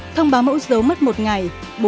ba thông báo mẫu dấu mất một ngày